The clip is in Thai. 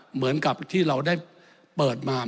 เหมือนกับที่เราได้เปิดมา